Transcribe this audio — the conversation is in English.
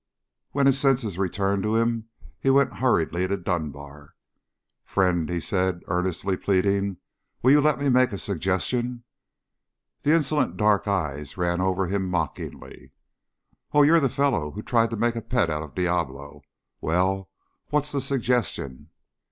When his senses returned to him, he went hurriedly to Dunbar. "Friend," he said, earnestly pleading, "will you let me make a suggestion?" The insolent dark eyes ran over him mockingly. "Oh, you're the fellow who tried to make a pet out of Diablo? Well, what's the suggestion?"